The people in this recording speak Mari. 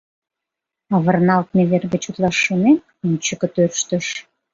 Авырналтме вер гыч утлаш шонен, ончыко тӧрштыш.